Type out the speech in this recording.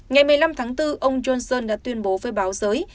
ngày một mươi năm tháng bốn ông johnson đã tuyên bố với báo giới